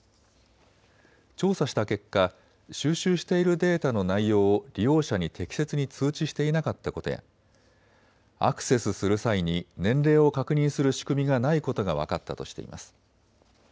調査した結果、収集しているデータの内容を利用者に適切に通知していなかったことやアクセスする際に年齢を確認する仕組みがないことが分かったとしています。